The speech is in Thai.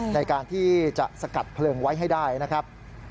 ในการที่จะสกัดเพลิงไว้ให้ได้นะครับ